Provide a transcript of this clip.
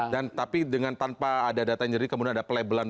dan tapi dengan tanpa ada data yang jernih kemudian ada pelabeling